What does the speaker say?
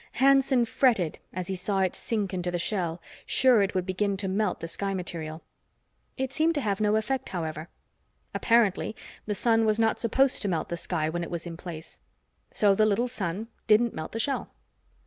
Hanson fretted as he saw it sink into the shell, sure it would begin to melt the sky material. It seemed to have no effect, however; apparently the sun was not supposed to melt the sky when it was in place so the little sun didn't melt the shell.